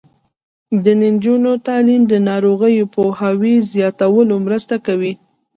د نجونو تعلیم د ناروغیو پوهاوي زیاتولو مرسته کوي.